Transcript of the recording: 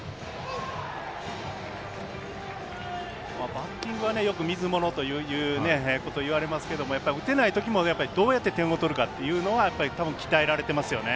バッティングはよく水物ということを言われますけど、打てないときもどうやって点を取るかというのは多分、鍛えられてますよね。